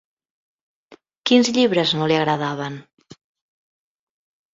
Quins llibres no li agradaven?